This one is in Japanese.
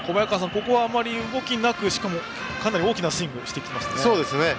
ここはあまり動きなくしかも、かなり大きなスイングをしてきましたね。